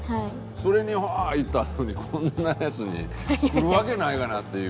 それにうわーいったのにこんなヤツにくるわけないがなっていう。